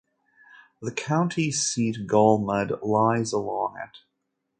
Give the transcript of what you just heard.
The county seat Golmud lies along it.